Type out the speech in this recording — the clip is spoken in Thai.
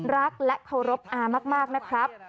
รักและเคารพอามากนะครับ